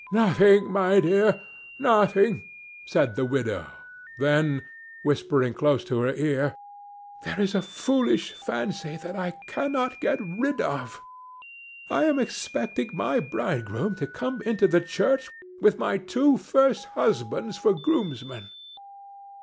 "Nothing, my dear—nothing," said the widow; then, whispering close to her ear, "There is a foolish fancy that I cannot get rid of. I am expecting my bridegroom to come into the church with my two first husbands for groomsmen."